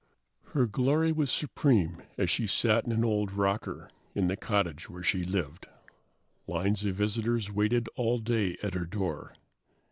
Her glory was supreme as she sat in an old rocker in the cottage where she lived. Lines of visitors waited all day at her door.